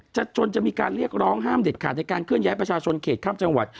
จนจะมีการเรียกร้องห้ามเด็ดขาดในการเคลื่อยประชาชนเขตข้ามจังหวัด